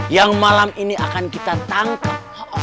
yang malam ini akan kita tangkap